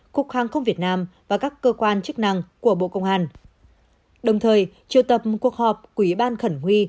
cục hàng không việt nam và các cơ quan chức năng của bộ công an đồng thời triều tập cuộc họp của ủy ban khẩn nguy